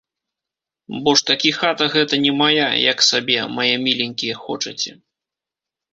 Бо ж такі хата гэта не мая, як сабе, мае міленькія, хочаце.